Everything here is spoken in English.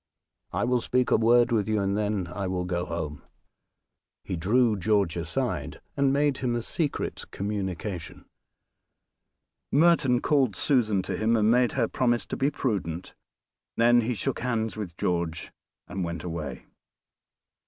I will speak a word with you, and then I will go home." He drew George aside, and made him a secret communication. Merton called Susan to him, and made her promise to be prudent, then he shook hands with George and went away.